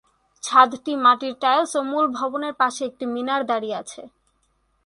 ছাদটি মাটির টাইলস, ও মূল ভবনের পাশে একটি মিনার দাঁড়িয়ে আছে।